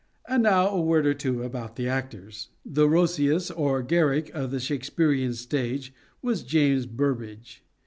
And now a word or two about the actors. The Roscius or Garrick of the Shakespearean stage was James Burbage.